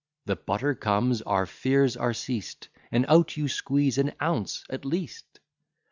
The butter comes, our fears are ceased; And out you squeeze an ounce at least.